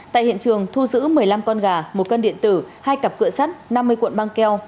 tại hiện trường thu giữ một mươi năm con gà một cân điện tử hai cặp cựa sắt năm mươi cuộn băng keo